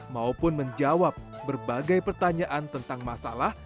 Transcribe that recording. maupun menjawab berbagai pertanyaan tentang masalah